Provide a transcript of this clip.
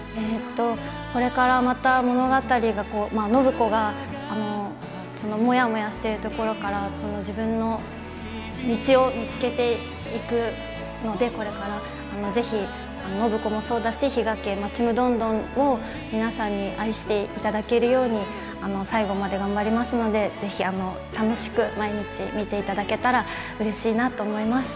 これからまた物語が暢子がモヤモヤしているところから自分の道を見つけていくのでこれからぜひ暢子もそうだし比嘉家「ちむどんどん」も皆さんに愛していただけるように最後まで頑張りますのでぜひ楽しく毎日見ていただけたらうれしいなと思います。